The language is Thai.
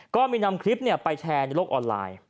ก็มีนำคลิปไปแชร์ในโลกออนไลน์